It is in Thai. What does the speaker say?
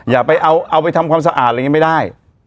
อย่าไปเอาไปทำความสะอาดอะไรอย่างนี้ไม่ได้